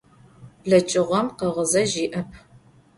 Bleç'ığem kheğezej yi'ep.